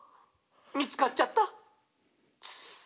みつかっちゃった！」